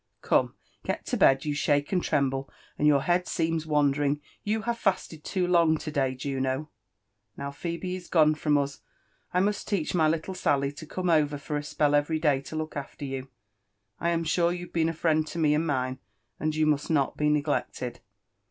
— Come, get to bed ;— yOu shake and tfemhl^^ and yodr heatl seems wandering ; you have fasted too long to day, Jiiiio* Now Phobe is gone froM us, I mrost leach my frtlle Sally to come over for a spell every day to Idbk after yon : 1 amf s#re y^yu'V^ keefit a friend to me and mine, and you must ivot be ne^leeted."